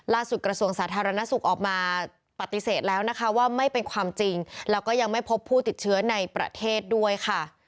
กระทรวงสาธารณสุขออกมาปฏิเสธแล้วนะคะว่าไม่เป็นความจริงแล้วก็ยังไม่พบผู้ติดเชื้อในประเทศด้วยค่ะ